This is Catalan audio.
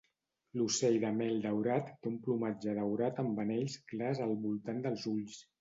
L'ocell de mel daurat té un plomatge daurat amb anells clars al voltant dels ulls.